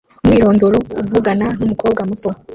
Umwirondoro uvugana numukobwa muto